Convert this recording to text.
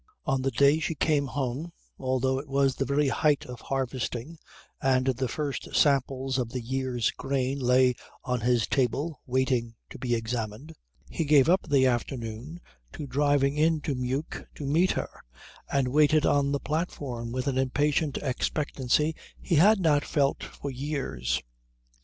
On the day she came home, although it was the very height of harvesting and the first samples of the year's grain lay on his table waiting to be examined, he gave up the afternoon to driving in to Meuk to meet her, and waited on the platform with an impatient expectancy he had not felt for years.